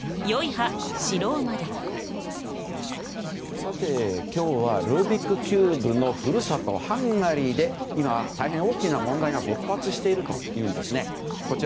さて、今日はルービックキューブの故郷、ハンガリーで今大変大きな問題が勃発しているというんです。